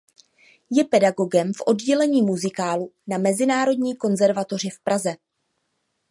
Je pedagogem v oddělení muzikálu na Mezinárodní konzervatoři v Praze.